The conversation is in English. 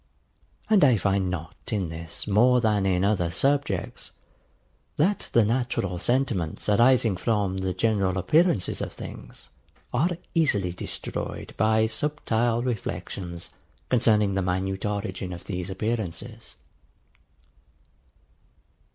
And I find not in this more than in other subjects, that the natural sentiments arising from the general appearances of things are easily destroyed by subtile reflections concerning the minute origin of these appearances.